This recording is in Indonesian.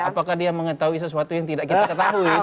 apakah dia mengetahui sesuatu yang tidak kita ketahui